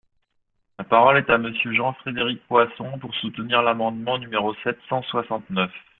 La parole est à Monsieur Jean-Frédéric Poisson, pour soutenir l’amendement numéro sept cent soixante-neuf.